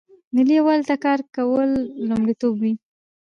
ملي یووالي ته کار کول لومړیتوب وي.